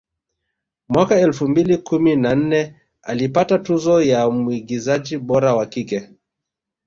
Mwaka elfu mbili kumi na nne alipata tuzo ya mwigizaji bora wa kike